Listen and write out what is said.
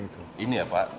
ini ya pak